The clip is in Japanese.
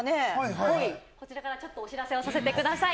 こちらからちょっとお知らせをさせてください。